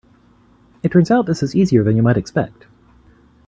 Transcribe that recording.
It turns out this is easier than you might expect.